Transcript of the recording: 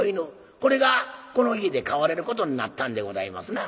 これがこの家で飼われることになったんでございますな。